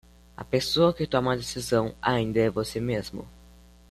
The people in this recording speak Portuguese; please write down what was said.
A pessoa que toma a decisão ainda é você mesmo